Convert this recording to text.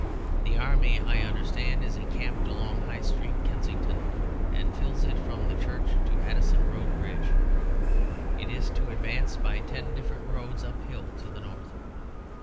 The army, I understand, is encamped along High Street, Kensington, and fills it from the Church to Addison Road Bridge. It is to advance by ten different roads uphill to the north.